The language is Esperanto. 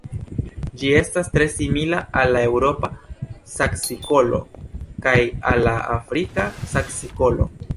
Ĝi estas tre simila al la Eŭropa saksikolo kaj al la Afrika saksikolo.